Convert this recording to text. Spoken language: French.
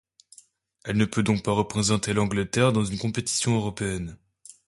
Elle ne peut donc pas représenter l'Angleterre dans une compétition européenne.